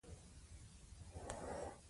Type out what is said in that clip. هر هنر ارزښت لري.